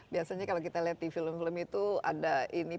biasanya kalau kita lihat di film film itu ada ini